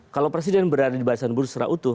kalau presiden berada di bahasan buruh secara utuh